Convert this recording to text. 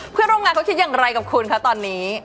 เพื่อนร่วมงานเขาคิดอย่างไรกับคุณคะตอนนี้